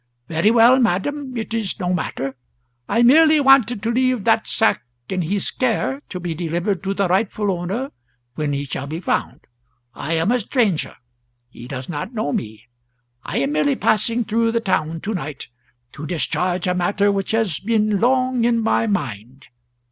"Very well, madam, it is no matter. I merely wanted to leave that sack in his care, to be delivered to the rightful owner when he shall be found. I am a stranger; he does not know me; I am merely passing through the town to night to discharge a matter which has been long in my mind.